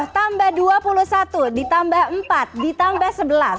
tambah dua puluh satu ditambah empat ditambah sebelas